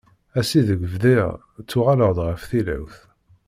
Ass i deg bdiɣ ttuɣaleɣ-d ɣer tilawt.